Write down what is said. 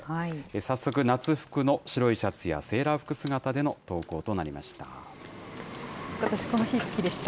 早速、夏服の白いシャツやセーラー服姿での登校となりました。